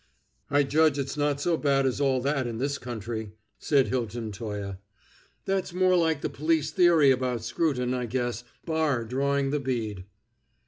"I judge it's not so bad as all that in this country," said Hilton Toye. "That's more like the police theory about Scruton, I guess, bar drawing the bead."